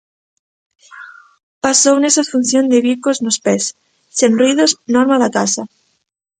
Pasou nesa función de bicos nos pés, sen ruídos, norma da casa.